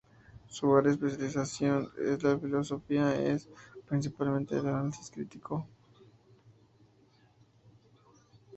Su área de especialización en la filosofía es, principalmente, el análisis crítico.